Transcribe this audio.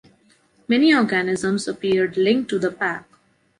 Many organisms appeared linked to the pack.